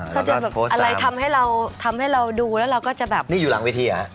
เขาจะแบบอะไรทำให้เราทำให้เราดูแล้วเราก็จะแบบนี่อยู่หลังเวทีเหรอ